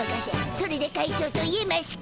それで会長といえましゅか！